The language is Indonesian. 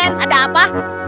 iya nen ada apa